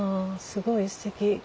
すごいすてき。